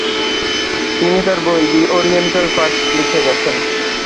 তিনি তার বই দি ওরিয়েন্টাল ক্রাইস্ট লিখে গেছেন।